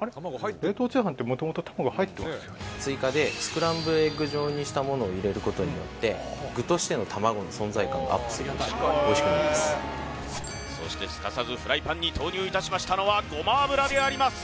あれ冷凍炒飯って追加でスクランブルエッグ状にしたものを入れることによって具としての卵の存在感がアップするのでそしてすかさずフライパンに投入いたしましたのはごま油であります